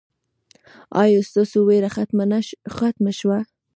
ایا ستاسو ویره ختمه شوه؟